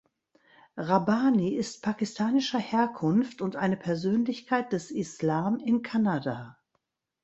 Rabbani ist pakistanischer Herkunft und eine Persönlichkeit des Islam in Kanada.